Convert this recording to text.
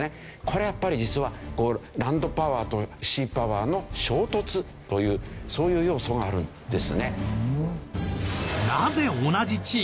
これやっぱり実はランドパワーとシーパワーの衝突というそういう要素があるんですね。